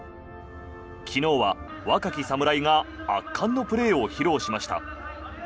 昨日は若き侍が圧巻のプレーを披露しました。